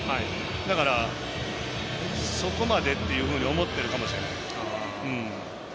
だから、そこまでっていうふうに思ってるかもしれない。